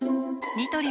ニトリ